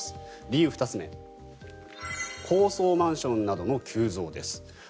理由２つ目高層マンションなどの急増です。